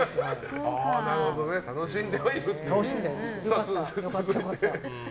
楽しんではいると。